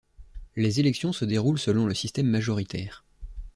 Les élections se déroulent selon le système majoritaire.